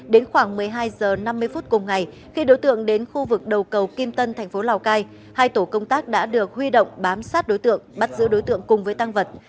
đến khoảng một mươi hai h năm mươi phút cùng ngày khi đối tượng đến khu vực đầu cầu kim tân thành phố lào cai hai tổ công tác đã được huy động bám sát đối tượng bắt giữ đối tượng cùng với tăng vật